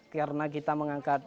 karena kita mengangkat